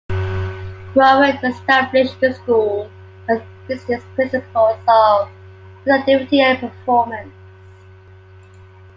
Crowell established the school on business principles of productivity and performance.